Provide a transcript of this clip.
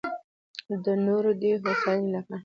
د نورو دې هوساينۍ لپاره